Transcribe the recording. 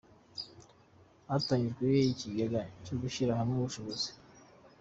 Hatangijwe ikigega cyo gushyira hamwe ubushobozi.